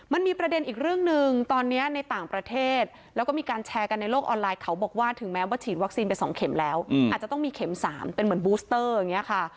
มันมีประเด็นอีกเรื่องหนึ่งตอนนี้ในต่างประเทศแล้วก็มีการแชร์กันในโลกออนไลน์เขาบอกว่าถึงแม้ว่าฉีดวัคซีนไป๒เข็มแล้วอาจจะต้องมีเข็ม๓เป็นเหมือนบูสเตอร์อย่างนี้ค่ะ